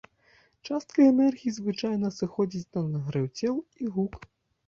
Частка энергіі звычайна сыходзіць на нагрэў цел і гук.